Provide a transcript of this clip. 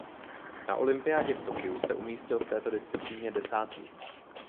Na olympiádě v Tokiu se umístil v této disciplíně desátý.